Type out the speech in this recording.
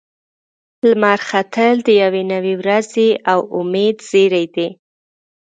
لمر ختل د یوې نوې ورځې او امید زیری دی.